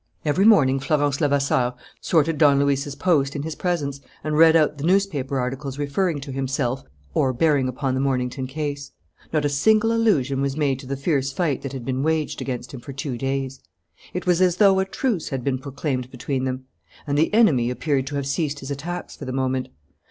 Every morning Florence Levasseur sorted Don Luis's post in his presence and read out the newspaper articles referring to himself or bearing upon the Mornington case. Not a single allusion was made to the fierce fight that had been waged against him for two days. It was as though a truce had been proclaimed between them; and the enemy appeared to have ceased his attacks for the moment.